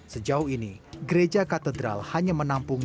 sejauh ini gereja katedral hanya menampung